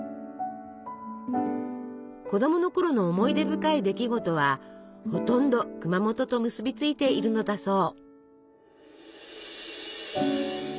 子供のころの思い出深い出来事はほとんど熊本と結びついているのだそう。